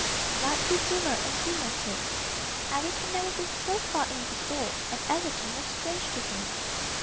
The light grew dimmer and dimmer too. Eric had never been so far in before and everything was strange to him.